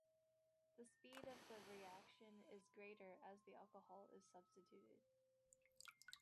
The speed of the reaction is greater as the alcohol is substituted.